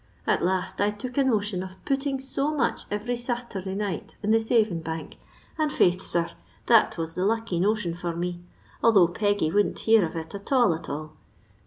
At last, I took a notion of puttin so much etery Sathurday night in the savin bank, and faith, sir, that was the lucky notion for me, although Peggy wouldn't hear of it at all at all.